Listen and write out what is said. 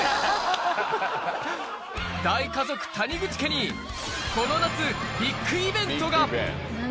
大家族、谷口家に、この夏、ビッグイベントが。